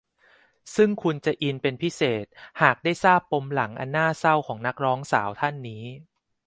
ซึ่งคุณจะอินเป็นพิเศษหากได้ทราบปมหลังอันน่าเศร้าของนักร้องสาวท่านนี้